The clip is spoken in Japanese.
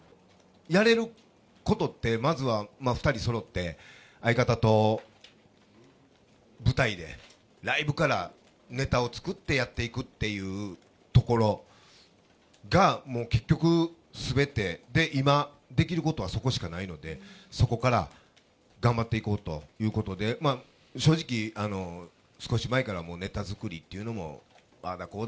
やれることって、まずは２人そろって相方と舞台で、ライブからネタを作ってやっていくっていうところが、もう結局すべてで、今、できることはそこしかないので、そこから頑張っていこうということで、正直、少し前からもうネタ作りっていうのも、ああだ